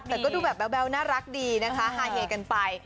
แต่ก็ดูแบบแบ๊วน่ารักดีนะคะฮาเฮกันไป